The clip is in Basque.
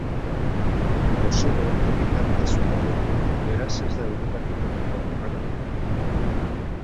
Kosovoko herritartasuna lortu du, beraz ez da Europatik kanpoko jokalaria.